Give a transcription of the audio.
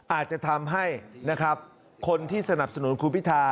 อาจจะทำให้นะครับคนที่สนับสนุนครูภิษฐา